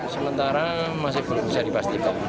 sementara masih belum bisa dipastikan